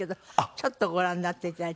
ちょっとご覧になって頂いて。